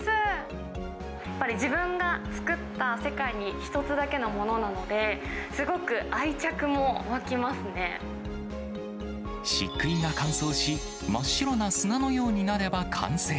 やっぱり自分が作った、世界に一つだけのものなので、しっくいが乾燥し、真っ白な砂のようになれば完成。